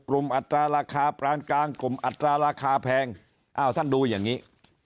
อัตราราคาปรานกลางกลุ่มอัตราราคาแพงอ้าวท่านดูอย่างนี้